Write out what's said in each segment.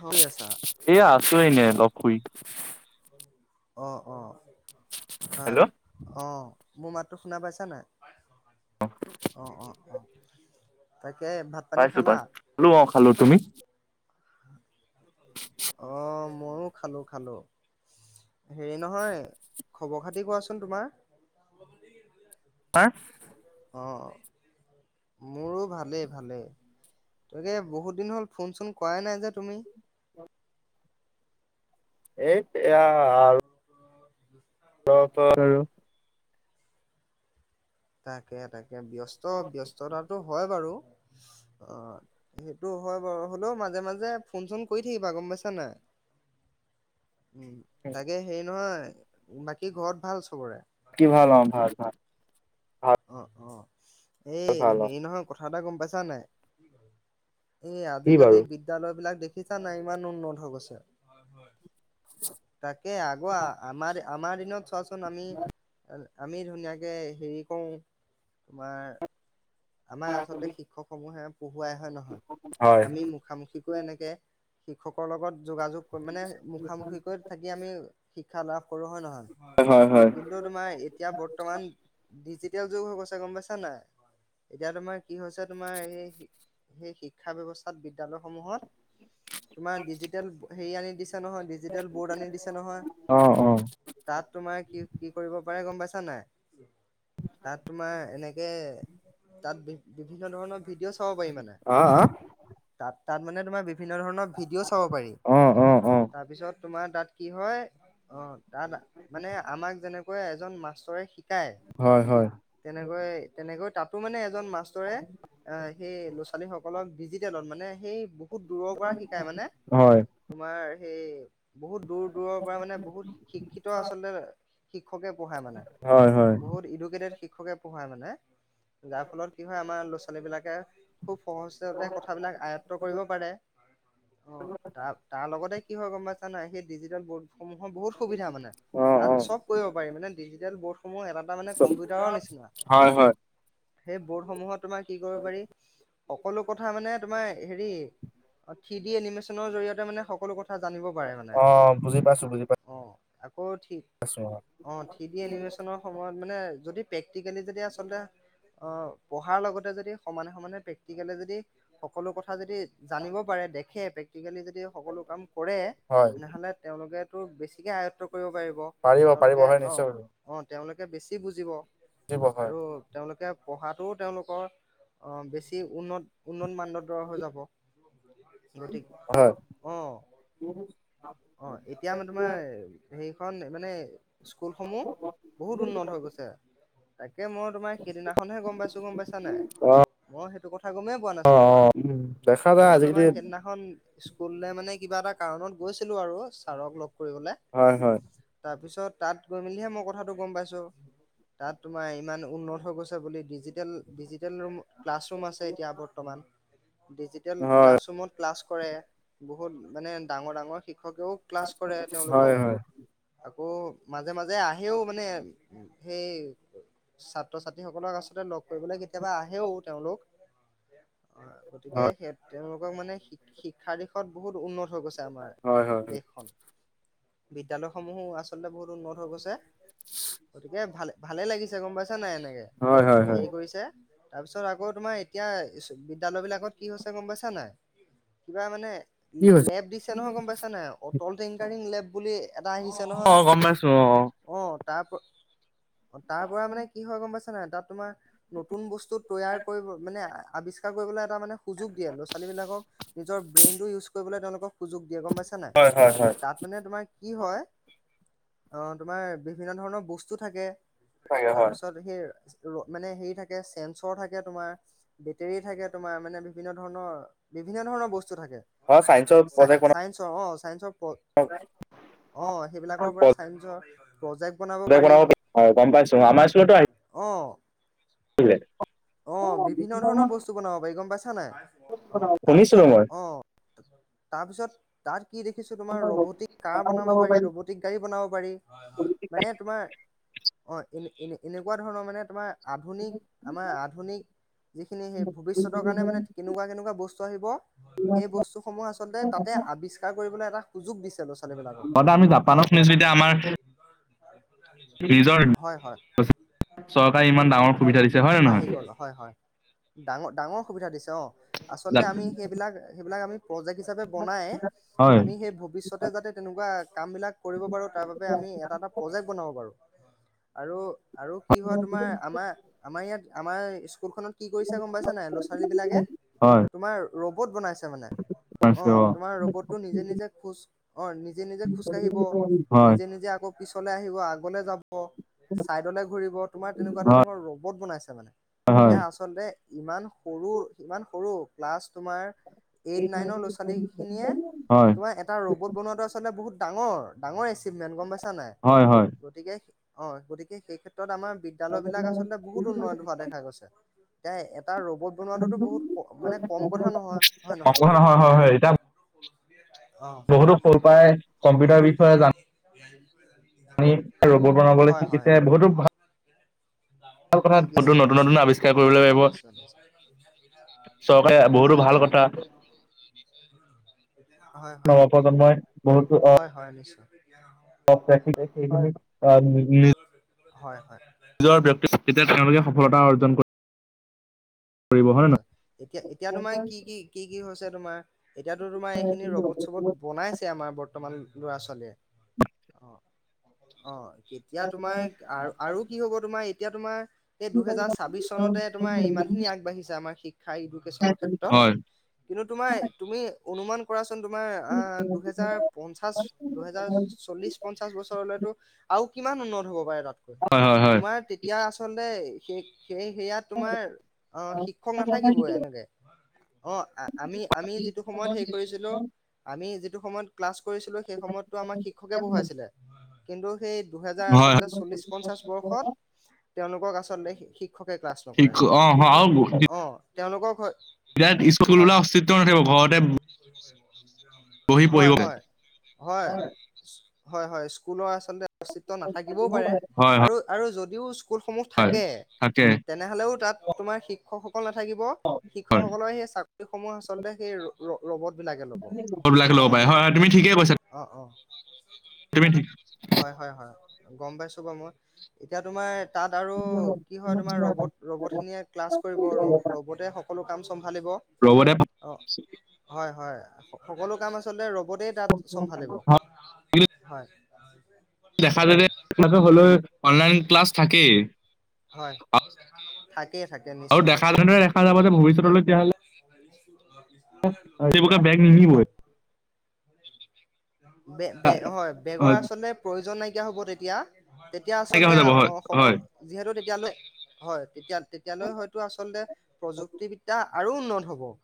কৰি আছা এয়া! আছোঁ এনেই অলপ শুই। অ' অ'। আ হেল্ল' অ'। মোৰ মাতটো শুনা পাইছা নে? অঁ, অঁ, পাইছোঁ। পাইছো-পাইছো, খালোঁ অঁ খালোঁ, তুমি? অঁ ময়োঁ খালোঁ খালোঁ, হেৰি নহয়, খবৰ-খাতি কোৱাচোন তোমাৰ? অঁ? অ' মোৰো ভালেই ভালেই, এনে বহুত দিন হ'ল ফোন-চোন কৰাই নাই যে তুমি? এ, এইয়া আৰু [unintelligible] তাকে তাকে। ব্যস্ত ব্যস্ততাটো হয় বাৰু। অঁ, সেইটো হয় বাৰু হ'লেও মাজে মাজে ফোন-চোন কৰি থাকিবা, গম পাইছা নে নাই! উম তাকে হেৰি নহয় বাকী ঘৰত ভাল চবৰে? কি ভাল অ ভাল ভাল। ভাল এ ভাল অ। হেৰি নহয় কথা! কথা এটা গম পাইছা নে নাই? এই কি আজিকালি বাৰু? বিদ্যালয় বিলাক দেখি দেখিছা নাই ইমান উন্নত হৈ গৈছে! হয় হয়। তাকে আগো আমাৰ আমাৰ দিনত ছোবা ছোন একো বুজি পোৱা নগ'ল। আমি ধুনীয়াকে হেৰি কওঁ মাৰ আমাৰ আচলতে শিক্ষক সমূহে পঢ়ুৱাই হয় নহয় হয় আমি মুখামুখিকেই এনেকে শিক্ষকৰ লগত। যোগাযোগ কৰিম মানে মুখামুখিকৈ থাকি আমি শ হেল্ল! সৰু হয় নহয় হয় হয় কিন্তু তোমাৰ এতিয়া বৰ্তমান দিজিত এতিয়াও যোগ হৈ গৈছে গম পাইছা না নাই? এতিয়া তোমাৰ কি হৈছে তোমাৰ এই সেই শিক্ষা ব্যৱস্থাত বিদ্যালয় সমূহত তোমাৰ ডিজিটেল হেৰি আনি বুজিছা নহয়, ডিজিটেল বৰ্ড আনি দিছে নহয়, অ অ। তাত তোমাৰ কি কি কৰিব পাৰে গম পাইছা নাই? উম [inaudible] তাত তোমাৰ এনেকে এ তাত বি-বিভিন্ন ধৰণৰ ভিডিঅ' চাব পাৰি মানে আ আ তাত। তাত মানে তোমাৰ বি বিভিন্ন ধৰণৰ ভিডিঅ' চাব পাৰি। অ অ অ তাৰপিছত তোমাৰ তাত কি হয় অ' তাত মানে আমাক যেনে অই এজন মাষ্টৰে সি কাই হয় হয় তেনেকৈ তেনেকৈ তাত সিটো মানে এজন মাষ্টৰে অ', সেই ছোৱালী সকলক ডিজিটেলত মানে সেই বহুত দূৰৰ পৰা শিকাই মানে হয়। তোমাৰ সেইয়ে। বহুত দূৰ দূৰৰ পৰা মানে বহুত শিক্ষিত আচলতে শিক্ষকে পঢ়ায় মানে। হয় হয় বহুত ইডুকেটেড শিক্ষা শিক্ষককে পঢ়াই মানে। যাৰ ফলত কি হয় আমাৰ ল'ৰা ছোৱালী বিলাকে খুব সহজতে কথাবিলাক আয়ত্ব কৰিব পাৰে। অ', তাৰ তাৰ লগতে কি হয় গম পাইছা নাই সেই ডিজিটেল বৰ্ড সমূহৰ বহুত সুবিধা মানে অ অ তাত চব কৰিব পাৰি মানে ডিজিটেল বৰ্ড হয় হয় সেই বৰ্ডসমূহত তোমাৰ কি কৰিব পাৰি সকলো কথা মানে তোমাৰ হেৰি থ্ৰি ডি এনিমেচনৰ জৰিয়তে মানে সকলো কথ অ বুজি পাইছো বুজি পা অ আকৌ থি অ থ্ৰি দি এনিমেছনৰ সময়ত মানে যদি আজিকালি যদি আচলতে হয় পঢ়াৰ লগতে যদি সমানে সমানে প্ৰেক্টিকেলে যদি সকলো কথা যদি জানিব পাৰে দেখে প্ৰেক্ ক্টিকেলি যদি সকলো কাম কৰে হয় তেনেহলে তেওঁলোকে ত বেছিকে আয়ত্ব কৰিব পাৰিব পাৰিব তেওঁলোকে হয় অ নিশ্চয় পাৰিব অ তেওলোক কে বেছি বুজিব পাৰিব হয় আৰু তেওঁলোকে পঢ়াটো, তেওঁলোকৰ অ, বেছি উন্নত উন্নত মানদণ্ডৰ হৈ যাব। গতিক, হয় অ, অ, এতিয়া মানে তোমাৰ, সেই [unintelligible] মানে স্কুলসমূহ বহুত উন্নত হৈ গৈছে। তে' মই তোমাৰ সেইদিনা গম পাইছোঁ গম পাইছা নে, অ। মই সেইটো কথা গমেই পোৱা অ নাছিলোঁ, অ দেখা যায় মই আজিকালি তোমাৰ সেইদিনাখন স্কুললে মানে কিবা এটা কাৰণত গৈছিলোঁ আৰু ছাৰক লগ কৰিবলে হয় হয় তাৰপিছত তাত গৈ মেলিহে মই কথাটো গম পাইছোঁ, তাত তোমাৰ ইমান উন্নত হৈ গৈছ ছে বুলি ডিজিটেল-ডিজিটেল ৰুম ক্লাছৰুম আছে এতিয়া বৰ্তমান। ডিজিেল হয় ক্লাছৰুমত ক্লাছ কৰে, বহুত মানে ডাঙৰ ডাঙৰ শিক শিক্ষকেও ক্লাছ কৰে হয় তেওঁলোকক। মাজে-মাজে আহেও মানে সেই ছাত্ৰ-ছাত ই সকলক আচলতে লগ কৰিবলৈ কেতিয়াবা আহেও তেওঁলোক। অ', গতিকে হয়। স তেওঁলোক মানে শিক্ষাৰ দিশত বহুত উন্নতি হৈ গৈছে আমাৰ হয় হয় দেশখন। বিদ্যালয়সমূহো আচলতে বহুত উন্নত হৈ গৈছে। গতিকে ভালে। ভালে লাগিছে গম পাইছো নে নাই এনেই? হয় হয় হয়। হেৰি কৰিছে তাৰ পিছত আকৌ তোমাৰ এতিয়া বিদ্যালয় বিলাকত কি হৈছে গম পাইছা নাই? কিবা মানে কি হৈছে? লেপ দিছে নহয় গম পাইছা নে নাই? টল টেংকাৰিং লেব বুলি এটা অ', গম পাইছো অ'। তাপ অ', তাৰ পৰা মানে কি হয় গম পাইছ? তাত তোমাৰ নতুন বস্তু তৈয়াৰ কৰিব, মানে আৱিষ্কাৰ [unintelligible] এটা মানে সুযোগ দিয়ে। ল'ৰা-ছোৱালী বিলাকক নিজৰ ব্ৰেইন ইউজ কৰিবলৈ তেওঁলোক সুযোগ দিয়ে গম পাইছা নাই? হয় হয় হয় তাত মানে তোমাৰ কি হয়। অ', তোমাৰ বিভিন্ন ধৰণৰ বস্তু থাকে। তাকে তাৰ হয় পিছত সেই ৰ- মানে হেৰি থাকে চেঞ্চৰ থাকে তোমাৰ, বেটেৰী থাকে তোমাৰ, মানে বিভিন্ন ধৰণৰ বিভিন্ন ধৰণৰ বস্তু থাকে। অ চাইন্সৰ প্ৰজেক্ট বনা চাইন্সৰ অ' চাইন্সৰ অ', সেইবিলাকৰ পৰা চাইঞ্চৰ [unintelligible] অ', গম পাইছো আমাৰ স্কুলতো আহি অ'। [unintelligible] অ', বিভিন্ন ধৰণৰ বস্তু বনাব পাৰি গম পাইছ নাই? অ', শুনিছিলো তাৰপিছত মই। অ', তাৰপিছত তাৰ কি দেখিছো তোমাৰ ৰবটিক কাৰ বনাব পাৰি, ৰবটিক গাড়ী বনাব পাৰি। মানে তোমাৰ অ' এনে-এনে-এনেকুৱা ধৰণৰ মানে তোমাৰ, আধুনিক আমাৰ যিখিনি সেই ভবিষ্যতৰ কাৰণে মানে কেনেকুৱা-কেনেকুৱা বস্তু আহিব। সেই বস্তুসমূহ আচলতে তাতে আৱিষ্কাৰ কৰি, এটা সুযোগ দিছে। ছোৱালীবিলাকক। হয়টো আমি জাপানত অ', সুনিছো এতিয়া আমাৰ নিজৰ হয় হয় চৰকাৰে ইমান ডাঙৰ সুবিধা দিছে হয় নে আহি নহয়? গ'ল হয়-হয়। ডাঙৰ-ডাঙৰ সুবিধা দিছে। অ' আচলতে আমি সেইবিলাক-সেইবিলাক আমি প্ৰজেক্ট হিচাপে বনাই, হয় বআমি সেই ভৱিষ্যতে যাতে তেনেকুৱা কাম বিলাক কৰিব পাৰো তাৰ বাবে আমি এটা-এটা প্ৰজেক্ট বনাব পাৰো। আৰু আৰু কি হয় তোমাৰ আমাৰ-আমাৰ ইয়াত, [unintelligible] ই স্কুলখনত কি কৰিছে গম পাইছা নাই ল'ৰা ছোৱালী বিলাকে, হয় তোমাৰ ৰবট বনাইছে মানে। হয় অ' তোমাৰ ৰবটটো নিজে-নিজে খোজ অ নিজে-নিজে খোজকাাঢ়িব, হয় নিজে-নিজে আকৌ পিছলৈ আহিব আগলে যাব, ছাইডলে ঘূৰিব তোমাৰ তেনেকুৱা হয় হয় ধৰণৰ ৰব বহত [unintelligible] বনছে মানে হয় এতিয়া আচলতে, ইমান সৰু ইমান সৰু ক্লাছ তোমাৰ এইট নাইনৰ ল'ৰা ছোৱালী খিনিয়ে হয়। তোমাৰ এটা ৰবট বনোৱাতটো আচলতে বহুত ডাঙৰ-ডাঙৰ এচিভমেট গম পাই নাই। হয় গতিকে অ গতিকে সেই ক্ষেত ত আমাৰ বিদ্যালয়বিলাক আছলতে বহুত উন্নয়ন। হোৱা দেখা গৈছে। এ [unintelligible] কথা নহয় হয় নহয় সংণ হয় হয় হয় এতিয়া অ বহুতো ফৰু পৰাই কম্পিউটাৰ বিষয়ে জান [inaudible] পান ৰ'বট বনাবলৈ হয় হয় শিকিছে বহুতোাল ভাল [inaudible] কথা বহুতো ন চৰকাৰে বহুতো ভাল কথা নৱপ্ৰজন্মই বহুতো অ' হয়-হয়-হয়-হয়-হয়-হয়, নিশ্চয়। নি [unintelligible] [unintelligible] হয় হয় ব্যক্তি তেতিয়া তেওঁলোকে সফলতা অৰ্জন কৰ এতিয়া এতিয়া তোমাৰ কি-কি কি-কি হৈছে তোমাৰ এতিয়াতো তোমাৰ এইখিনি ৰবত চবত বনাইছে আমাৰ বৰ্তমান ল'ৰা ছোৱালীয়ে অ অ এতিয়া তোমাৰ আ আৰু কি হ'ব তোমাৰ এতিয়া তোমাৰ এই দুহেজাৰ ছাব্বিশ চনতে তোমাৰ ইমান খিনি আগবাঢ়ি আমাৰ শিক্ষা ইদোকেচণৰ ক্ষেত্ৰত নহয়? কিন্তু তোমাৰ তুমি অনুমান কৰা চোন। তোমাৰ অ' দুহেজাৰ পঞ্চাচ দুহেজাৰ চল্লিশ পঞ্চাশ বছৰলৈতো আৰু কিমান উন্নত হ'ব পাৰে। হয়, হয়, হয়, তোমাৰ তেতিয়া আচলতে। [inaudible] সেই সেয়া তোমাৰ অ' শিক্ষা। নাথাকিবই এনেকে অ' আমি আমি যিটো সময়ত হেৰি কৰিছিলো আমি যিটো। যিটো সময়ত ক্লাচ। কৰিছিলো সেই সময়তো আমাক শিক্ষকে পঢ়ুৱাইছিলে। কিন্তু। সেই দুহেজাৰ হয়, হয়। আচলতে চল্লিশ পঞ্চাশ বৰ্ষত তেওঁলোকক আচলতে। [inaudible] নকৰে। শঠিক অহ আ অ তেওঁলোকক স্কুল হয় বোলা হয়। অস্তিত্ব নাথাকিব ঘৰতে উম বহি হয় পঢ়িব হয় হয়। হয় হয় স্কুলৰ আচলতে অস্তিত্ব নাথাকিবও পাৰে, হয়, আৰু আৰু যদি বি স্কুলসমূহ হয়। থাকে তাকে তেনেহ'লেও তাত তোমাৰ শিক্ষা [unintelligible] নাথাকিব হয়, শিক্ষকসকলৰ সেই সময় আচলতে সেই ৰ ৰ ৰবত বিলাকে ল'ব বিলাকে অ ল'ব পাৰে হয়, হয় তুমি ঠিকেই কৈছা অ অ। তুমি হয় হয় হয়। গম পাইছো বাৰু মই এতিয়া তোমাৰ তাত আৰু কি হয় তোমাৰ ৰবট ৰবট খিনিয়ে ক্লাছ ৰবতে সকলো কাম চম্ভালিব অ হয় হয়। সকলো কাম আচলতে ৰব হয় দেখা য আপ হলে অনলাইন ক্লাছ থাকেই থাকে থাকে। আৰু নিশ্চয় দেখা নিশ্চয় যেনেৰে দেখা যাব যে ভৱিষ্যতলৈ তেতিাহ'লে হয়। বেগ হয় বেগৰ আচলতে প্ৰয়োজন নাই কেতিয়া হ'ব তেতিয়া তেতিয়া তেনেকে আচলতে হৈ যাব অ হয় হয় সকলো যিহেতু তেতিয়ালৈ হয় তেতিয়া তেতিয়ালৈ হয়তো আচলতে প্ৰযুক্তিবিদ্যা আৰু উন্নত হওক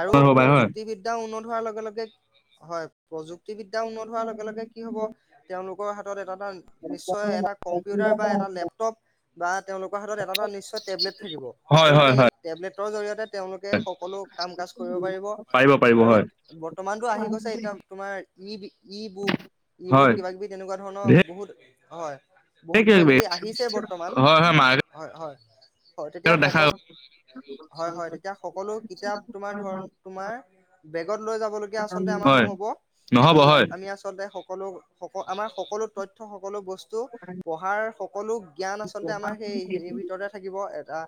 আৰু হয় হ'ব পাৰে হয় প্ৰযুক্তিবিদ্যা উন্নত লগে লগে হয় প্ৰজোকতি প্ৰজোকতি বিদ্যা উন্নত হোৱাৰ লগে লগে কি হব তেওঁলোক [unintelligible] হাতত এটা এটা নিশ্চয় এটা কম্পিউটাৰ বা এটা লেপটপ বা তেওঁলোকৰ হাতত এটা এটা নিশ্চয় টেবলেট থাকিব হয় আৰু হয় সেই হয় টেবলেটৰ জৰিয়তে তেওঁলোকে সকলো কাম কাজ কৰিব পাৰিব পাৰিব আৰু হয় বৰ্তমানতো আহি গৈছে এতিয়া তোমাৰ [unintelligible] ই বুক ই বুক হয় কিবা কিবি তেনেকুৱা ধৰণৰ ঢেৰ বহুত হয়। বহুত কিবা কিবি আহিছে বৰ্তমান হয় হয় মাৰ্কেটত হয় হয় হয় তেতিয়া দেখা সকলো হয় হয় তেতিয়া সকলো কিতাপ তোমাৰ ধৰ তোমাৰ বেগত লৈ যাবলগীয়া আচলতে আমাৰ হয় নহ'ব নহ'ব আমি হয় আমি আচলতে। সকলো আমাৰ সকলো তথ্য সকলো বস্তু পঢ়াৰ সকলো জ্ঞান আচলতে আমাৰ সেই হেৰিৰ ভিতৰতে থাকিব এটা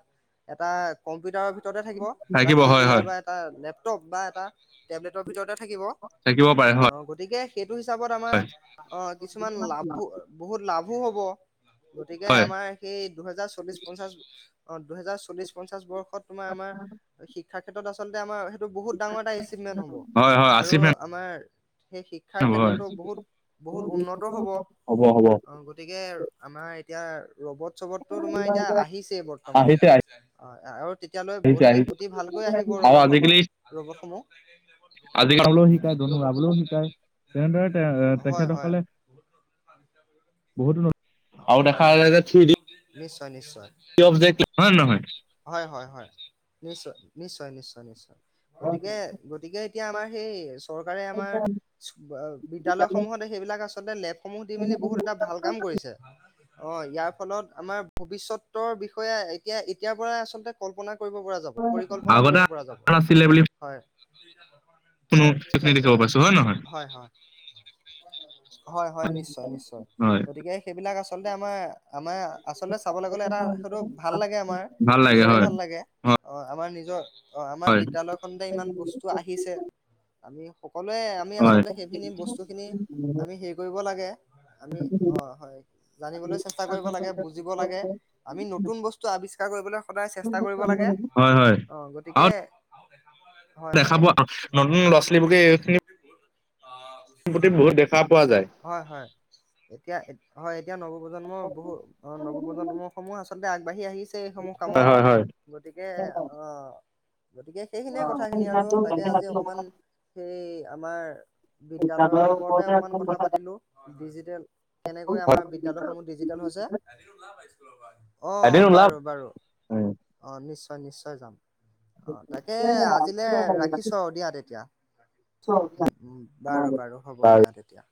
এটা কম্পিউটাৰৰ' ভিতৰতে থাকিব এটা থাকিব হয় কম্পিউটাৰ হয় বা এটা লেপ। বা এটা টেবলেটৰ ভিতৰতে থাকিব। থাকিব পাৰে হয় অ' গতিকে সেইটো হিচাপত আমাৰ হয় অ' কিছুমান লাভ বহুত লাভ। ভুল হ'ব। গতিকে হয় আমাৰ সেই দুহেজাৰ, চল্লিশ, পঞ্চাশ। অ' দুহেজাৰ চল্লিছ পঞ্চাশ বৰ্ষৰ তোমাৰ আমাৰ থাৰ্ডগেটত আচলতে আমাৰ এইটো বহুত ডাঙৰ এটা এচিভমেন্ট হ'ব হয় হয় আৰু আচিভমেণ্ট আমাৰ সেই শিক্ষাৰ হ'ব হয় ক্ষেত্ৰতো বহুত, বহুত উন্নত হ'ব অ' হ'ব হ'ব গতিকে আমাৰ এতিয়া ৰবত-চবত তো তোমাৰ এতিয়া আহিছে বৰ্তমান আহিছে হয়। অ'। এতিয়ালৈ আহিছে অতি আহিছে -অতি ভালকৈ আহিব আৰু আজিকালি ৰবতসকল ৰবত সমূহ চাবলৈও শিকায় তেনেদৰে হয় তেখেত হয় সকলে বহুত হয়। হয় নিশ্চয়। অবজেক্ট হয় নে নহয় হয়-হয়-হয়। নিশ্চয়-নিশ্চয়-নিশ্চয়-নিশ্চয়। গতিকে, গতিকে। এতিয়া আমাৰ সেই চৰকাৰে আমাৰ বিদ্যালয়সমূহত সেইবিলাক আচলতে লেবসমূহ দি মেলি বহুত এটা ভাল কাম কৰিছে। অ' ইয়াৰ ফলত আমাৰ ভৱিষ্যতৰ বিষয়ে এতিয়া, এতিয়াৰ পৰা আচলতে কল্পনা কৰিব পৰা যাব পৰিকল্পনা আগতে আছিলে বুলি শুনো সেইখিনি দেখিব পাইছো হয় নে নহয় হয়, হয় নিশ্চয়- নিশ্চয় হয় গতিকে সেইবিলাক আচলতে আমাৰ-আমাৰ আচলতে চাবলৈ গলে এটা সেইটো ভাল লাগে আমাৰ, ভাল লাগে নিজৰে হয় ভাল লাগে অ', আমাৰ নিজৰ অ', আমাৰ হয় বিদ্য়ালয় খতে ইমান বস্তু আহিছে আমি সকলোৱে আমি হয় আচলতে সেইখিনি বস্তুখিনি আমি হেৰি কৰিব লাগে আমি অ', হয়। জানিবলৈ চেষ্টা কৰিব লাগে, বুজিব লাগে, আমি নতুন বস্তু আৱিষ্কাৰ কৰিবলৈ সদায় চেষ্টা কৰিব লাগে হয় হয় হয় অ', গতিকে আৰু হয় দেখা হয় পোৱা নতুন ল'ৰা ছোৱালীবকে এই খিনি উ-দেখা পোৱা যায়। হয়, হয় এতিয়া হয় এতিয়া নব প্ৰজন্ম বহু অ-নৱপ্ৰজন্মসমূহ আছে আগবাঢ়ি আহিছে। এইসমূহ হয় কামত হয় হয় গতিকে অহ গতিকে সেইখিনিয়ে কথা খিনি আৰু তাকে আজি অকমান সেই আমাৰ বিদ্যালয়ৰ ওপৰতে অকমান কথা পাতিলো। ডিজিটেল কেনেক [unintelligible] হয় বিদ্যালয়সমূহ ডিজিটেল হৈছে। অ', এদিন ওলাম বাৰু-বাৰু। নিশ্চয়-নিশ্চয় যাম। অ', তাকে আজিলৈ ৰাখিছো দিয়া তেতিয়া। উ-উ বাৰু বাৰু হ'ব তাৰ দিয়া তেতিয়া।